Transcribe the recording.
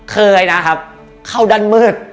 เคยนะครับเข้าด้านมืด